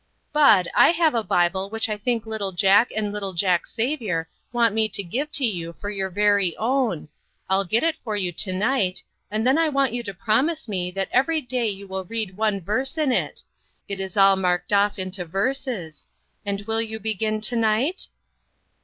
" Bud, I have a Bible which I think little Jack and little Jack's Saviour want me to give to you for your very own. I'll get it for you to night, and then I want you to promise me that every day you will read one verse in it. It is all marked off into verses and will you begin to night?"